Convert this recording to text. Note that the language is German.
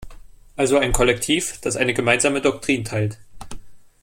Also ein Kollektiv, das eine gemeinsame Doktrin teilt.